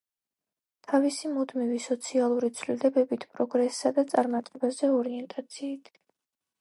თავისი მუდმივი სოციალური ცვლილებებით, პროგრესსა და წარმატებაზე ორიენტაციით.